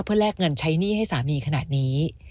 เพื่อแลกเงินใช้หนี้ให้สามีขนาดนี้